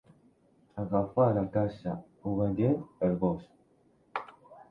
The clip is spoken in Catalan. Agafà la caça, obedient, el gos.